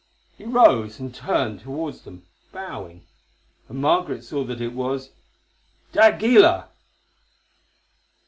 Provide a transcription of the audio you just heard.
He rose and turned towards them, bowing, and Margaret saw that it was—d'Aguilar!